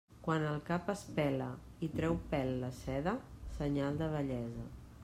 Quan el cap es pela i treu pèl la seda, senyal de vellesa.